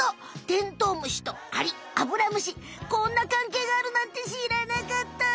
テントウムシとアリアブラムシこんな関係があるなんてしらなかった！